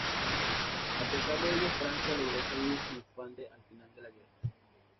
A pesar de ello, Francia logró salir triunfante al final de la guerra.